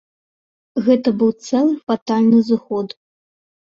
Гэта быў цэлы фатальны зыход.